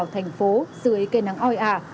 thành phố dưới cây nắng oi ả